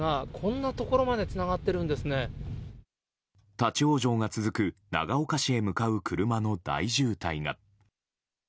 立ち往生が続く長岡市へ向かう車の大渋滞が。